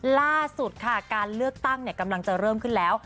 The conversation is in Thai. ล่าสุดค่ะการเลือกตั้งกำลังจะเริ่มขึ้นแล้ว